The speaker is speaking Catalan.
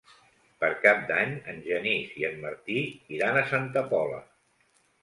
Per Cap d'Any en Genís i en Martí iran a Santa Pola.